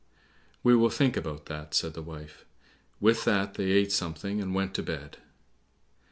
"We will think about that," said the wife. With that they ate something and went to bed.